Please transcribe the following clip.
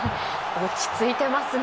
落ち着いてますね。